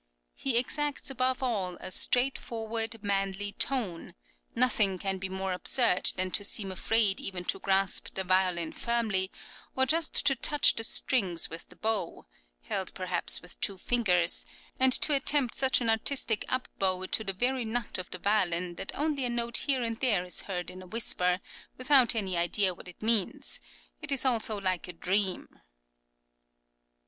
He exacts above all a "straightforward, manly tone"; "nothing can be more absurd than to seem afraid even to grasp the violin firmly; or just to touch the strings with the bow (held perhaps with two fingers), and to attempt such an artistic up bow to the very nut of the violin that only a note here and there is heard in a whisper, without any idea what it means, it is all so like a dream" (p. 101).